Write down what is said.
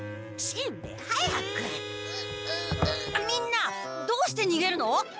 みんなどうしてにげるの？